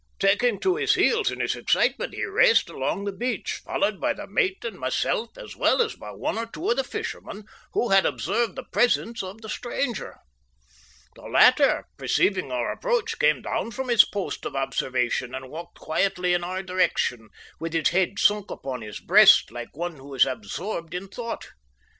Taking to his heels in his excitement he raced along the beach, followed by the mate and myself, as well as by one or two of the fishermen who had observed the presence of the stranger. The latter, perceiving our approach, came down from his post of observation and walked quietly in our direction, with his head sunk upon his breast, like one who is absorbed in thought.